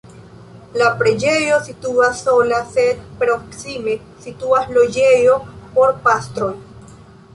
La preĝejo situas sola sed proksime situas loĝejo por pastroj.